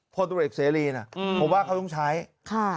โพนตุเร็กเซรีนะอืมผมว่าเขาต้องใช้ค่ะ